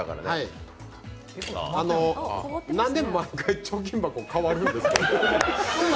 なんで毎回貯金箱、変わるんですか？